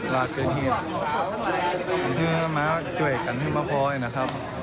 ถ้ายังไม่สามารถจ่วยกันเท่ามากพอดีนะครับ